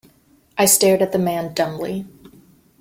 I stared at the man dumbly.